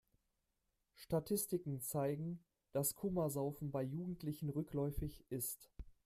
Statistiken zeigen, dass Komasaufen bei Jugendlichen rückläufig ist.